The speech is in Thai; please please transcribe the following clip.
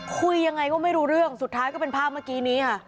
คุยยังไงก็ไม่รู้เรื่องสุดท้ายก็เป็นภาพเมื่อกี้นี้ค่ะ